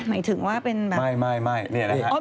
หมายถึงว่าเป็นแบบ